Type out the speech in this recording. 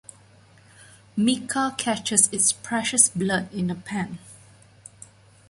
Micca catches its precious blood in a pan.